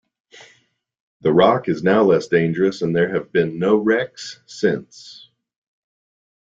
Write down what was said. The rock is now less dangerous and there have been no wrecks since.